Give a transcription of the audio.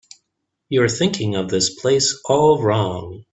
You're thinking of this place all wrong.